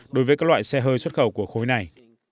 đối với các loại xe hơi xuất khẩu của khối này